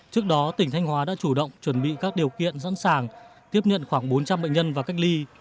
trước đó tỉnh thanh hóa đã chủ động chuẩn bị các điều kiện sẵn sàng tiếp nhận khoảng bốn trăm linh bệnh nhân vào cách ly